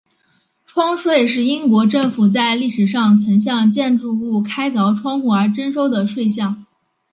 窗税是英国政府在历史上曾向建筑物开凿窗户而征收的税项。